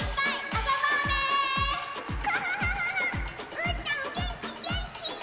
うーたんげんきげんき！